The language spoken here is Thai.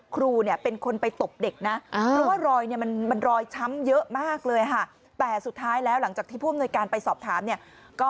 ครูเป็นคนไปตบเด็ก